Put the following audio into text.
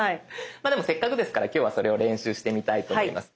まあでもせっかくですから今日はそれを練習してみたいと思います。